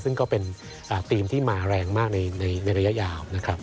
ซึ่งก็เป็นทีมที่มาแรงมากในระยะยาวนะครับ